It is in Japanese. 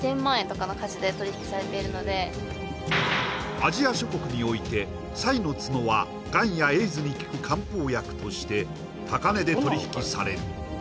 アジア諸国においてサイの角はガンやエイズに効く漢方薬として高値で取り引きされる